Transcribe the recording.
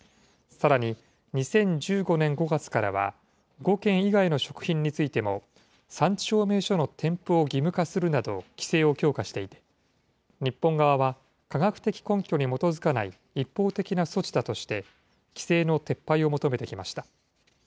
さらに、２０１５年５月からは、５県以外の食品についても、産地証明書の添付を義務化するなど、規制を強化していて、日本側は科学的根拠に基づかない一方的な措置だとして、規制の撤廃を求めてきました。